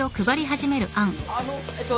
あのえっと。